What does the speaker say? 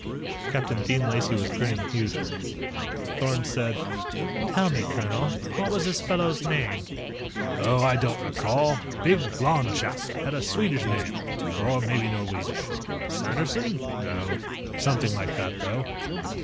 Captain Dean Lacey was grinning hugely. Thorn said: "Tell me, colonel what was this fellow's name?" "Oh, I don't recall. Big, blond chap. Had a Swedish name or maybe Norwegian. Sanderson? No. Something like that, though."